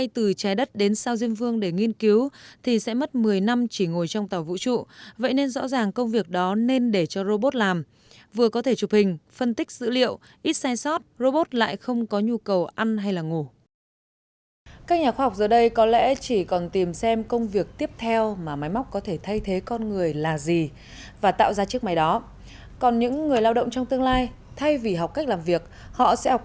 thay vì học cách làm việc họ sẽ học cách điều khiển chiếc máy làm việc thay thế cho mình